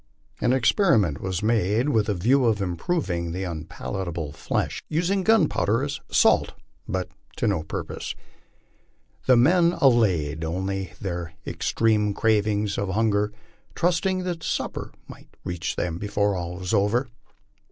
An experiment was made, with a view to improving the unpalatable flesh, of using gunpowder as salt, but to no purpose. The men allayed only their ex treme cravings of hunger, trusting that succor might reach them before all was over.